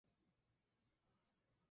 Las protestas desembocaron en disturbios.